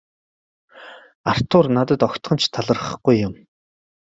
Артур надад огтхон ч талархахгүй юм.